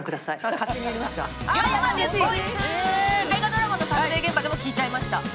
「大河ドラマ」の撮影現場でも聞いちゃいました。